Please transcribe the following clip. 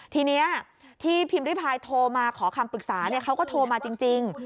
ทีนี้ที่พิมพ์ริพายโทรมาขอคำปรึกษาเขาก็โทรมาจริง